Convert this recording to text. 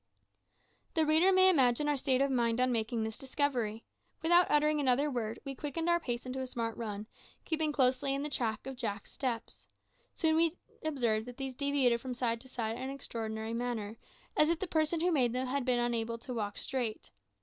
The reader may imagine our state of mind on making this discovery. Without uttering another word, we quickened our pace into a smart run, keeping closely in the track of Jack's steps. Soon we observed that these deviated from side to side in an extraordinary manner, as if the person who made them had been unable to walk straight.